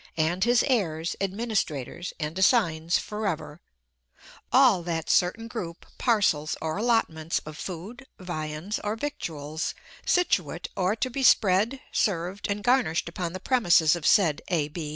and his heirs, administrators, and assigns forever, All that certain group, parcels, or allotments of food, viands, or victuals, situate or to be spread, served, and garnished upon the premises of said A.